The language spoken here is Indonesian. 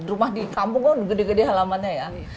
rumah di kampung kan gede gede halamannya ya